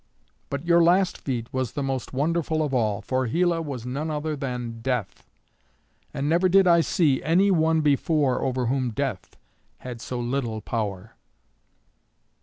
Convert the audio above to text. "But your last feat was the most wonderful of all, for Hela was none other than Death. And never did I see any one before over whom Death had so little power.